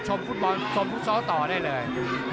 ฟุตบอลชมฟุตซอลต่อได้เลย